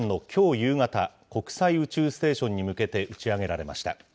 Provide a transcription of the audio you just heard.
夕方、国際宇宙ステーションに向けて打ち上げられました。